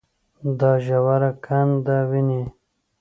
دا ژوره کنده وينې.